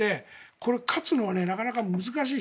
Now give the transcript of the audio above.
これ、勝つのはなかなか難しい。